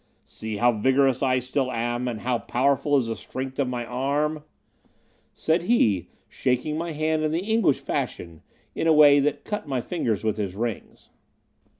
See how vigorous I still am, and how powerful is the strength of my arm," said he, shaking my hand in the English fashion, in a way that cut my fingers with my rings.